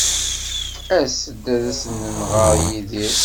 As-d ad as-nɣer i Yidir.